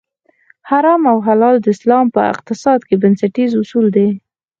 حرام او حلال د اسلام په اقتصاد کې بنسټیز اصول دي.